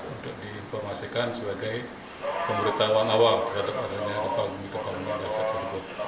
untuk diinformasikan sebagai pemberitahuan awal terhadap adanya gempa bumi tersebut